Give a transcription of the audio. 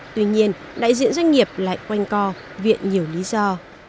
tuy nhiên đại diện doanh nghiệp lại quanh co viện nhiều lý do